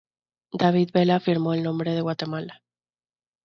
David Vela firmó en nombre de Guatemala.